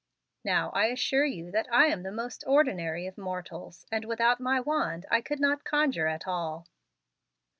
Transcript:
Now I assure you that I am the most ordinary of mortals, and without my wand I could not conjure at all."